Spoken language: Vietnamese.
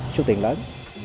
số tiền lớn